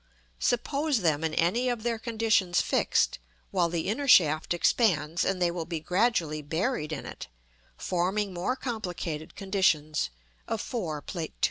Suppose them in any of their conditions fixed, while the inner shaft expands, and they will be gradually buried in it, forming more complicated conditions of 4, Plate II.